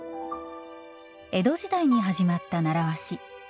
江戸時代に始まった習わし。